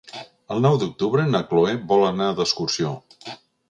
El nou d'octubre na Chloé vol anar d'excursió.